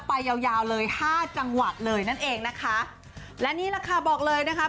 ไปยาวเลยห้าจังหวัดเลยนั่นเองนะคะและนี่แหละค่ะ